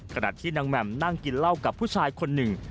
ขณะที่นางแหม่มนั่งกินเหล้ากับผู้ชายคนหนึ่ง